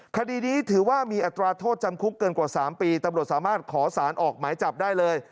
คดีนี้ถือว่ามีอัตราโทษจำคุกเกินกว่า๓ปีตำรวจสามารถขอสารออกหมายจับได้เลย